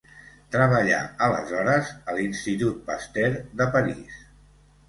Treballà aleshores a l'Institut Pasteur de París.